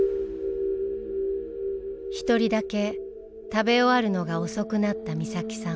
一人だけ食べ終わるのが遅くなった美咲さん。